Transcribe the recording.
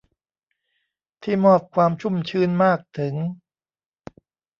ที่มอบความชุ่มชื้นมากถึง